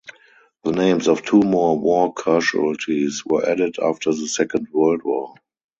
The names of two more war casualties were added after the Second World War.